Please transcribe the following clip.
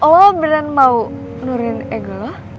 lo beneran mau nurunin ego lo